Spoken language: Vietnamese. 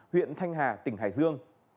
huyện thanh hà tỉnh hải dương